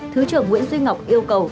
thứ trưởng nguyễn duy ngọc yêu cầu